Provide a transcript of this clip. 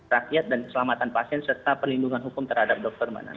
rakyat dan keselamatan pasien serta perlindungan hukum terhadap dokter mana